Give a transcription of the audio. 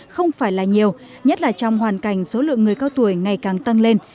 không phải là nhiều nhất là trong hoàn cảnh số lượng người cao tuổi ngày càng tăng lên